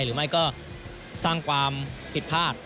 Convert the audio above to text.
หรือไม่ก็สร้างความผิดพลาด